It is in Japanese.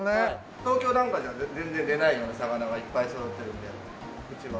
東京なんかじゃ全然出ないような魚がいっぱい揃ってるんでうちは。